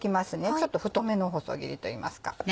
ちょっと太めの細切りといいますか。